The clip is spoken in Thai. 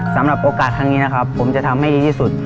สำหรับโอกาสทางนี้นะครับผมจะทำให้ดีที่สุด